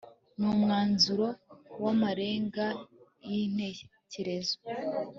ni umwanzuro w'amarenga y'intekerezo